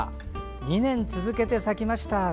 ２年続けて咲きました。